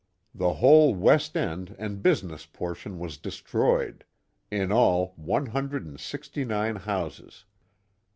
The whole west end and business portion was destroyed, in all one hundred and sixty nine houses.